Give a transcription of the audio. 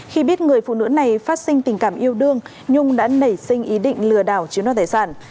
khi biết người phụ nữ này phát sinh tình cảm yêu đương nhung đã nảy sinh ý định lừa đảo chiếm đoạt tài sản